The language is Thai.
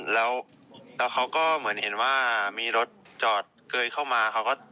แล้วเขาก็เหมือนเห็นว่ามีรถจอดเกยเข้ามาเขาก็